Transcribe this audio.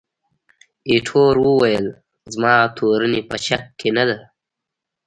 ایټور وویل، زما تورني په شک کې نه ده.